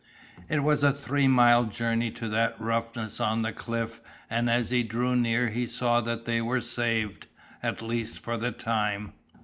It was a three mile journey to that roughness on the cliff and as he drew near he saw that they were saved, at least for the time.